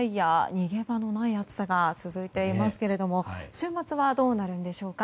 逃げ場のない暑さが続いていますけれども週末はどうなるのでしょうか。